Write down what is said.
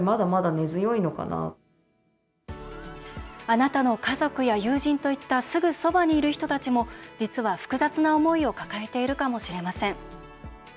あなたの家族や友人といったすぐそばにいる人たちも実は複雑な思いを抱えているかもしれません。